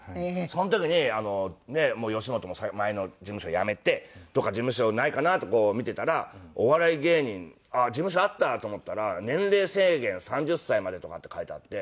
その時に吉本も前の事務所辞めてどこか事務所ないかなってこう見ていたらお笑い芸人あっ事務所あったと思ったら年齢制限３０歳までとかって書いてあって。